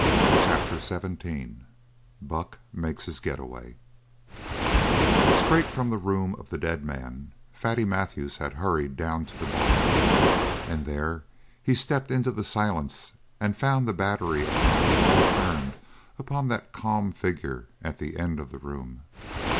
CHAPTER XVII BUCK MAKES HIS GET AWAY Straight from the room of the dead man, Fatty Matthews had hurried down to the bar, and there he stepped into the silence and found the battery of eyes all turned upon that calm figure at the end of the room.